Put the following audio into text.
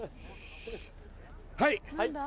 はい！